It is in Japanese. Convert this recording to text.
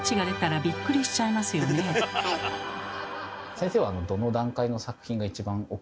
先生はん